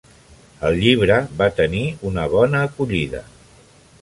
El llibre va tenir una bona acollida.